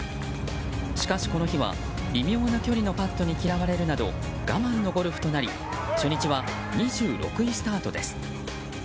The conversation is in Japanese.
しかしこの日は微妙な距離のパットに嫌われるなど我慢のゴルフとなり初日は２６位スタートです。